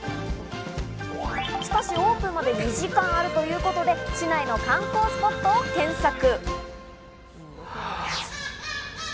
しかし、オープンまで２時間あるということで市内の観光スポットを検索。